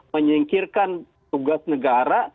menyingkirkan tugas negara